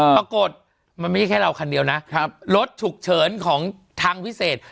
ปรากฏมันไม่ใช่แค่เราคันเดียวนะครับรถฉุกเฉินของทางวิเศษ